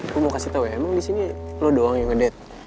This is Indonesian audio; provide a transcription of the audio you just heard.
gue mau kasih tau ya emang disini lo doang yang ngedat